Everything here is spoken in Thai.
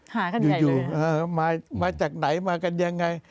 หากันยังไงเลยนะมาจากไหนมากันยังไง